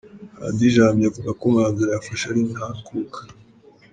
Hadi Janvier avuga ko umwanzuro yafashe ari ntakuka.